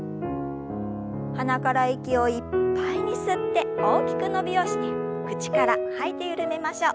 鼻から息をいっぱいに吸って大きく伸びをして口から吐いて緩めましょう。